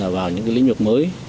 vào những lĩnh vực mới